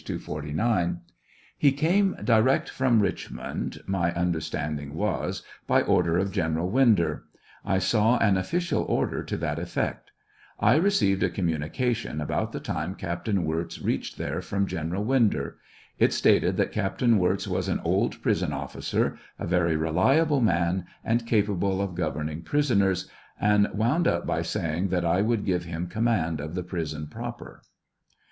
249 :) He came direct from Richmond, my understanding was, by order of General Winder; I saw an official order to that effect ; I received a communication about the time Captain Wirz reached there from General Winder ; it stated that Captain Wirz was an old prison officer, a very reliable man and capable of governing prisoners, and wound up by saying that I vrould give him command of the prison proper.